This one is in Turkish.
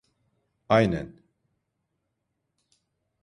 Aynen.